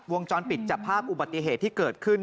วงจรปิดจับภาพอุบัติเหตุที่เกิดขึ้น